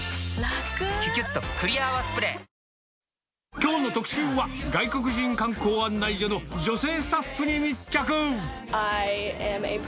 きょうの特集は、外国人観光案内所の女性スタッフに密着。